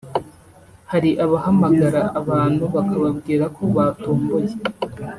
Hari abahamagara abantu bakababwira ko batomboye